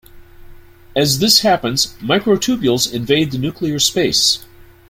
As this happens, microtubules invade the nuclear space.